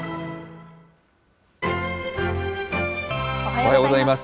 おはようございます。